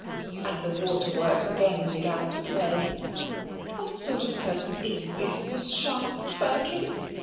And the water works again began to play. "What sort of a person is this Miss Sharp, Firkin?